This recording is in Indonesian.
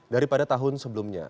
daripada tahun sebelumnya